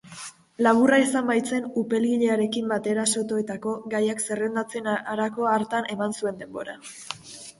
Laburra izan baitzen upelgilearekin batera sotoetako gaiak zerrendatzen harako hartan eman nuen denbora.